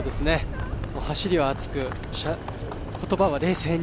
走りは熱く、言葉は冷静に。